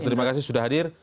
terima kasih sudah hadir